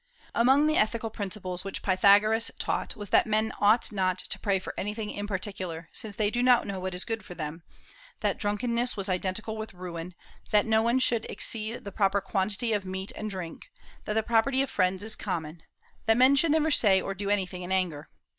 Among the ethical principles which Pythagoras taught was that men ought not to pray for anything in particular, since they do not know what is good for them; that drunkenness was identical with ruin; that no one should exceed the proper quantity of meat and drink; that the property of friends is common; that men should never say or do anything in anger.